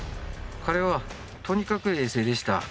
彼は、とにかく冷静でした。